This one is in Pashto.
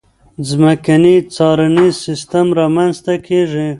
ځمکنی څارنیز سیستم رامنځته کېږي.